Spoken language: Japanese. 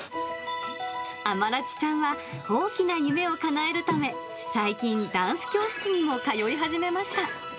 アマラチちゃんは、大きな夢をかなえるため、最近ダンス教室にも通い始めました。